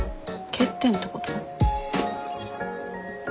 弱点ってこと？